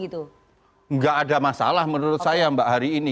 tidak ada masalah menurut saya mbak hari ini